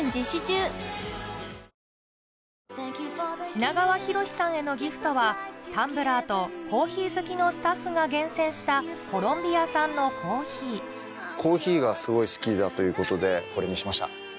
品川祐さんへのギフトはタンブラーとコーヒー好きのスタッフが厳選したコロンビア産のコーヒーコーヒーがすごい好きだということでこれにしました。